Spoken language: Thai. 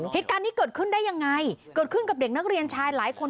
เหตุการณ์นี้เกิดขึ้นได้ยังไงเกิดขึ้นกับเด็กนักเรียนชายหลายคน